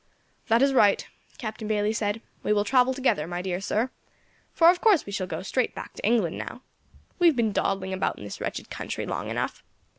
"That is right," Captain Bayley said, "we will travel together, my dear sir; for of course we shall go straight back to England now. We have been dawdling about in this wretched country long enough.